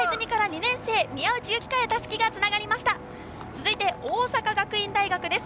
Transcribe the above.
続いて大阪学院大学です。